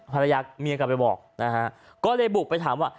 ภรรยาเมียกลับไปบอกนะฮะก็เลยบุกไปถามว่า